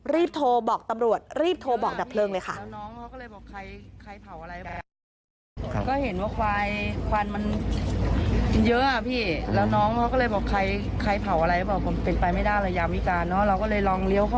รีบโทรบอกตำรวจรีบโทรบอกดับเพลิงเลยค่ะ